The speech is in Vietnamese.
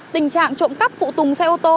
tình trạng trộm cắp phụ tùng xe ô tô